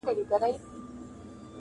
د مینو درد غزل سي یا ټپه سي,